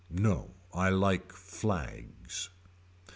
No I like flags.